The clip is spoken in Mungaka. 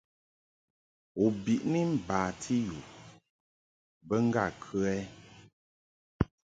U bi mbati yu bə ŋgâ kə ɛ?